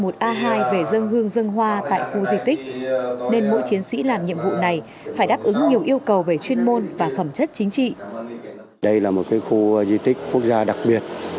dù ngày hay đêm dù trời mưa hay trời dù trời nắng những bước chân này vẫn đều đặn đi tuần tra canh gác các địa điểm ở khu di tích kim liên